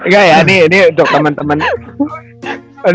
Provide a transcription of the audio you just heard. gak ya ini untuk temen temen